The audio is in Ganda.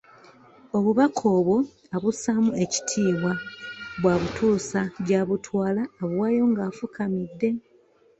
Obubaka obwo abussaamu ekitiibwa bw'abutuusa gy'abutwala abuwaayo nga afukamidde.